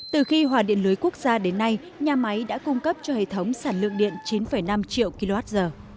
từ khi hòa điện lưới quốc gia đến nay nhà máy đã cung cấp cho hệ thống sản lượng điện chín năm triệu kwh